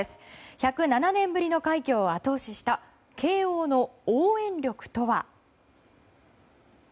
１０７年ぶりの快挙を後押しした慶応の応援力とは。